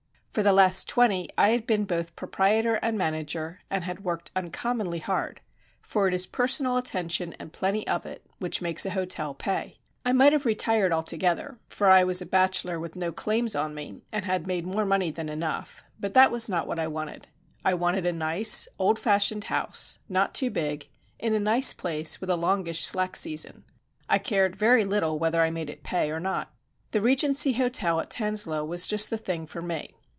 For the last twenty I had been both proprietor and manager, and had worked uncommonly hard, for it is personal attention and plenty of it which makes a hotel pay. I might have retired altogether, for I was a bachelor with no claims on me and had made more money than enough; but that was not what I wanted. I wanted a nice, old fashioned house, not too big, in a nice place with a longish slack season. I cared very little whether I made it pay or not. The Regency Hotel at Tanslowe was just the thing for me.